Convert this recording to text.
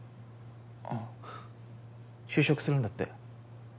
ああ。就職するんだって。